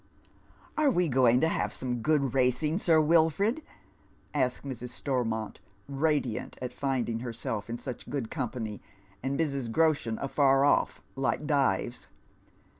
" Are we going to have some good racing. Sir WDford ?" asks Mrs. Stormont, radiant at finding herself in such good company, and Mrs. Groshen afar off like Dives.